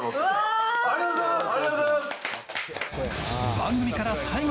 ありがとうございます。